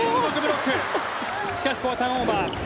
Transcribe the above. しかし、ターンオーバー。